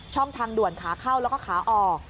ทางด่วนขาเข้าแล้วก็ขาออก